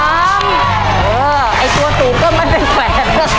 เออไอ้ตัวสูงก็ไม่เป็นแขวน